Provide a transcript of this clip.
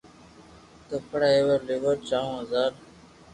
ڪپڙا اپي ليوا جايو بزار